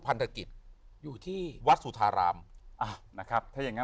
พันธกิจอยู่ที่วัดสุธารามอ่ะนะครับถ้าอย่างงั